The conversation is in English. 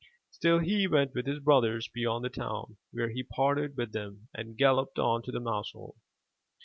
Still he went with his brothers beyond the town, where he parted with them, and galloped on to the mouse hole.